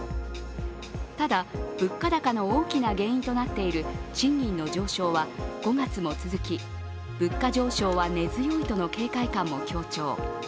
ただ、物価高の大きな原因となっている賃金の上昇は５月も続き物価上昇は根強いとの警戒感も強調。